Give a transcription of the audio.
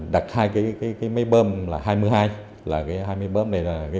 đặt hai cái máy bơm là hai mươi hai là cái máy bơm này là công chức